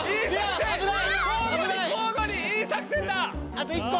あと１こ！